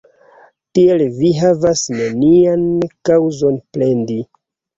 Tial vi havas nenian kaŭzon plendi.